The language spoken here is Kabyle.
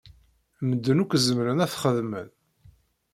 Medden akk zemren ad t-xedmen.